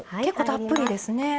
結構たっぷりですね。